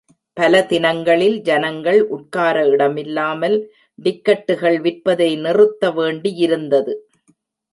பல தினங்களில் ஜனங்கள் உட்கார இடமில்லாமல், டிக்கட்டுகள் விற்பதை நிறுத்த வேண்டியிருந்தது.